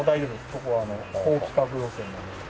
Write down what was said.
ここは高規格路線なので。